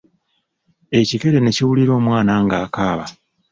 Ekikere ne kiwulira omwana ng'akaaba.